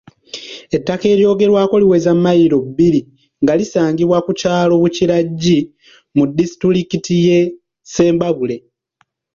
Ettaka eryogerwako liweza mmayiro bbiri nga lisangibwa ku kyalo Bukiragyi mu disitulikiti ye Ssembabule.